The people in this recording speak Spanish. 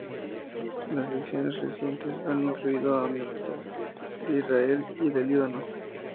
Las ediciones recientes han incluido a misses de Israel y de Líbano.